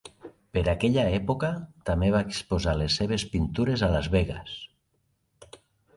Per aquella època, també va exposar les seves pintures a Las Vegas.